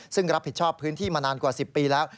ซึ่งรับผิดชอบพื้นที่มานานกว่า๑๐ปีแล้ว